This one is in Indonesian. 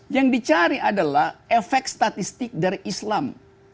yang dicari adalah efek statistik dari islam